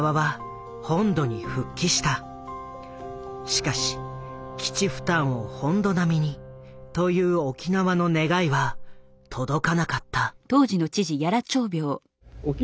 しかし基地負担を本土並みにという沖縄の願いは届かなかった。